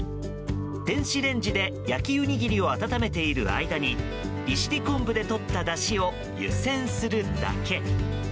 電子レンジで焼きウニギリを温めている間に利尻昆布でとっただしを湯せんするだけ。